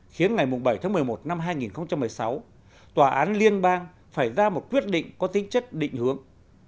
khiến ngày bảy tháng một mươi một năm hai nghìn một mươi sáu tòa án liên bang phải ra một quyết định có tính chất định hướng